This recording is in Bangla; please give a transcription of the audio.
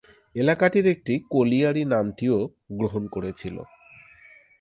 এলাকাটির একটি কোলিয়ারি নামটিও গ্রহণ করেছিল।